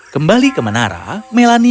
kembali ke menara melani